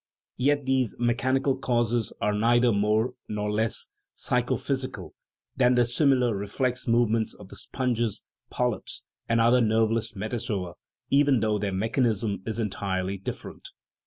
Yet these me chanical causes are neither more nor less psychophysi cal than the similar " reflex movements " of the sponges, polyps, and other nerveless metazoa, even though their mechanism is entirely different.